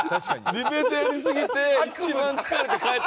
ディベートやりすぎて一番疲れて帰った日に見た夢。